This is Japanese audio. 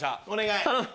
お願い！